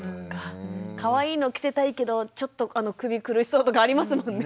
かわいいの着せたいけどちょっと首苦しそうとかありますもんね。